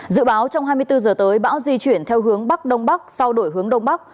dự báo trong hai mươi bốn giờ tới bão di chuyển theo hướng bắc đông bắc sau đổi hướng đông bắc